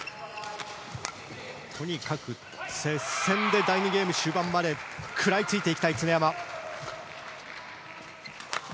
とにかく接戦で第２ゲーム終盤まで食らいつきたい常山。